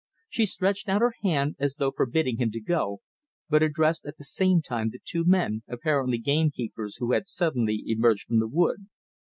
She stretched out her hand as though forbidding him to go, but addressed at the same time the two men, apparently gamekeepers, who had suddenly emerged from the wood.